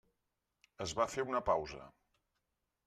Es va fer una pausa.